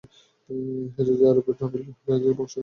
হেজাযী আরবদের সকলেই নাবিত ও কায়জারের বংশ বলে নিজেদেরকে দাবি করে।